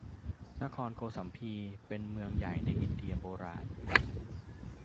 นครโกสัมพี เป็นเมืองใหญ่ในอินเดียโบราณ